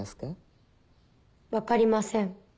分かりません